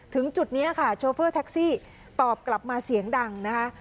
ถึงจุดนี้ค่ะโชเฟอร์แท็กซี่ตอบกลับมาเสียงดังนะคะ